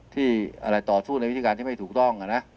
ที่ต่อสู้ในวิธีการที่ไม่ถูกต้อง